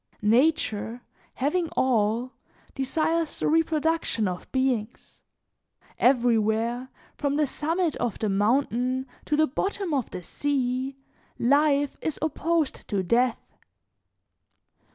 "Nature, having all, desires the reproduction of beings; everywhere, from the summit of the mountain to the bottom of the sea, life is opposed to death.